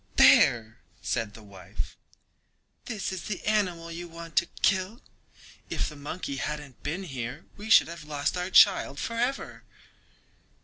"There!" said the wife. "This is the animal you want to kill—if the monkey hadn't been here we should have lost our child forever."